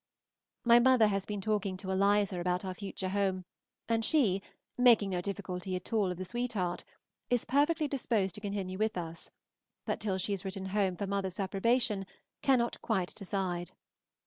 My mother has been talking to Eliza about our future home, and she, making no difficulty at all of the sweetheart, is perfectly disposed to continue with us, but till she has written home for mother's approbation cannot quite decide.